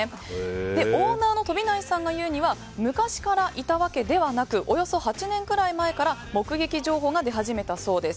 オーナーの飛内さんが言うには昔からいたわけではなくおよそ８年くらい前から目撃情報が出始めたそうです。